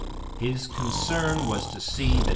His concern was to see that M.